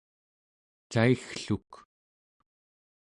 caiggluk